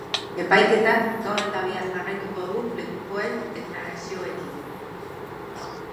Epaiketak gaur eta bihar jarraituko du lekukoen deklarazioekin.